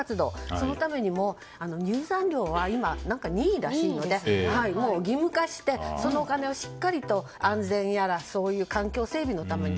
そのためにも入山料は今、任意らしいのでもう義務化してそのお金をしっかりと、安全やらそういう環境整備のための。